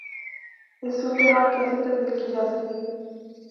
یہ صورتحال کیسے تبدیل کی جا سکے گی؟